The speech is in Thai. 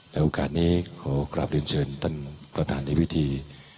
แต่โอกาสนี้ขอกราบเรียนเชิญท่านประธานในพิธี